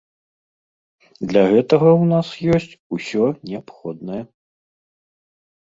Для гэтага ў нас ёсць усё неабходнае.